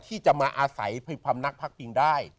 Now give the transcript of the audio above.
ที่จะมาอาศัยความนักพักพิงได้